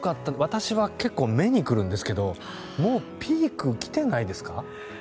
私は結構、目に来るんですけどもう、ピーク来てないですか？